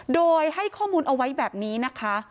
โดยให้ข้อมูลเอาไว้แบบนี้นะคะ